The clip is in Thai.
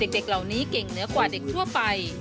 เด็กเหล่านี้เก่งเหนือกว่าเด็กทั่วไป